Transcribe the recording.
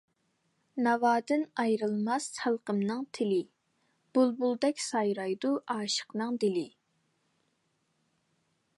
ناۋادىن ئايرىلماس خەلقىمنىڭ تىلى، بۇلبۇلدەك سايرايدۇ ئاشىقنىڭ دىلى.